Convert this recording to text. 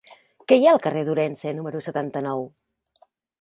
Què hi ha al carrer d'Ourense número setanta-nou?